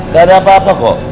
gak ada apa apa kok